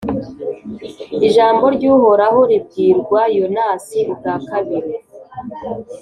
ijambo ry’uhoraho ribwirwa yonasi ubwa kabiri